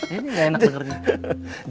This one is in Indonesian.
ini gak enak dengerin